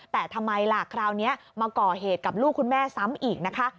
แต่ทำไมล่ะคราวนี้มาก่อเหตุกับลูกคุณแม่ซ้ำอีกนะคะ